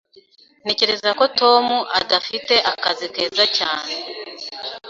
Ntekereza ko Tom adafite akazi keza cyane.